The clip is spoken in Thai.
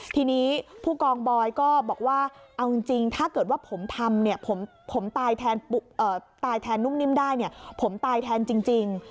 ทีนี้ผู้กองบอยก็บอกว่าเอาจริงถ้าเกิดว่าผมทำเนี่ยผมตายแทนนุ่มนิ่มได้เนี่ยผมตายแทนจริง